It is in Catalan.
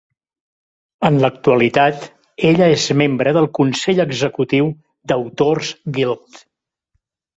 En l'actualitat, ella és membre del consell executiu d'Authors Guild.